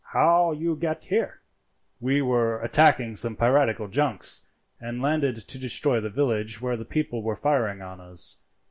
How you get here?" "We were attacking some piratical junks, and landed to destroy the village where the people were firing on us.